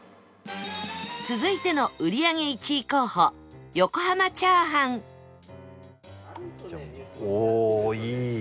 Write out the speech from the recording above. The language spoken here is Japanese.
続いての売り上げ１位候補横濱チャーハンジャン。おおいい。